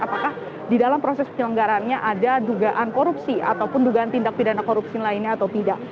apakah di dalam proses penyelenggaraannya ada dugaan korupsi ataupun dugaan tindak pidana korupsi lainnya atau tidak